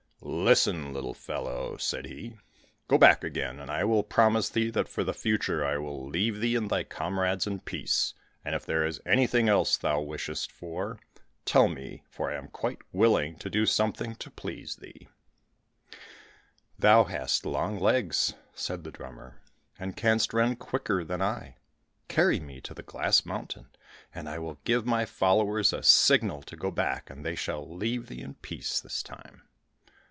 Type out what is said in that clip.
"Listen, little fellow," said he; "go back again, and I will promise you that for the future I will leave you and your comrades in peace, and if there is anything else you wish for, tell me, for I am quite willing to do something to please you." "Thou hast long legs," said the drummer, "and canst run quicker than I; carry me to the glass mountain, and I will give my followers a signal to go back, and they shall leave thee in peace this time."